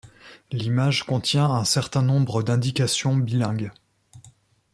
L'image contient un certain nombre d'indications bilingues.